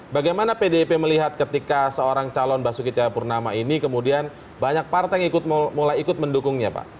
bagaimana pdip melihat ketika seorang calon basuki cahayapurnama ini kemudian banyak partai yang mulai ikut mendukungnya pak